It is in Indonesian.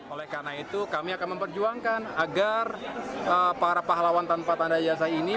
oleh karena itu kami akan memperjuangkan agar para pahlawan tanpa tanda jasa ini